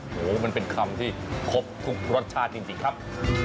โหมันเป็นคำที่ครบทุกรสชาติจริงครับ